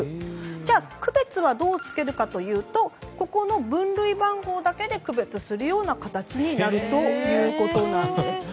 じゃあ区別はどうつけるかというと分類番号だけで区別するような形になるということです。